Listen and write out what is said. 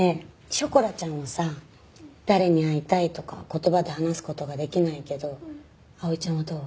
ショコラちゃんはさ誰に会いたいとか言葉で話す事ができないけど碧唯ちゃんはどう？